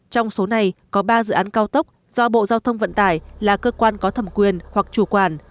trong số này có ba dự án cao tốc do bộ giao thông vận tải là cơ quan có thẩm quyền hoặc chủ quản